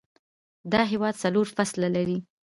دا هیواد څلور فصلونه لري